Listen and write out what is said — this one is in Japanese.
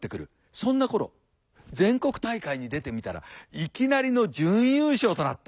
そんな頃全国大会に出てみたらいきなりの準優勝となった。